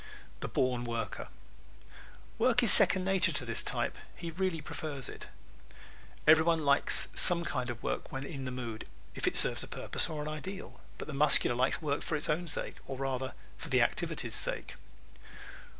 The Born Worker ¶ Work is second nature to this type. He really prefers it. Everyone likes some kind of work when in the mood if it serves a purpose or an ideal. But the Muscular likes work for its own sake or rather for the activity's sake.